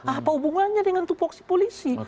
apa hubungannya dengan tupoksi polisi